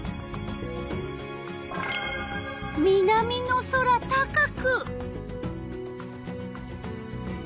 南の空高く。